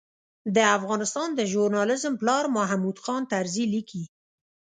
د افغانستان د ژورنالېزم پلار محمود خان طرزي لیکي.